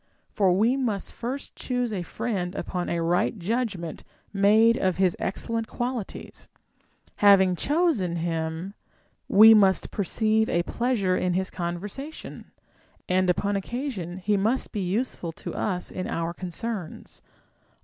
For we must first choose a friend upon a right judgment made of his excellent qualities ; having chosen him, we must perceive a pleasure in his conversation, and upon occasion he must be useful to us in our concerns.